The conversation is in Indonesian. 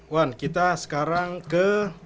wan kita sekarang ke